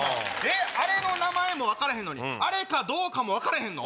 あれの名前も分からへんのにあれかどうかも分かれへんの？